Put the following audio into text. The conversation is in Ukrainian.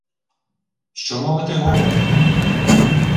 — Що мовити готам?